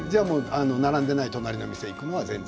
並んでいない隣の店に行くのは全然？